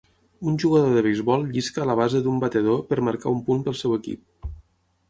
Un jugador de beisbol llisca a la base d"un batedor per marcar un punt pel seu equip.